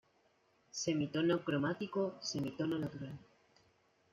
Semitono cromático semitono natural